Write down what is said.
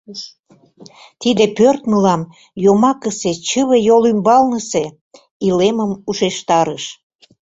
Тиде пӧрт мылам йомакысе чыве йол ӱмбалнысе илемым ушештарыш.